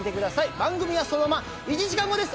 番組はそのまま１時間後です